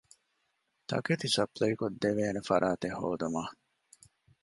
ތަކެތި ސަޕްލައި ކޮށްދެއްވާނޭ ފަރާތެއް ހޯދުމަށް